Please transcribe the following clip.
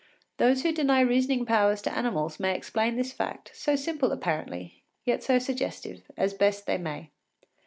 Those who deny reasoning powers to animals may explain this fact, so simple apparently, yet so suggestive, as best they may.